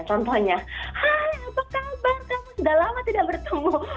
contohnya hai apa kabar kamu sudah lama tidak bertemu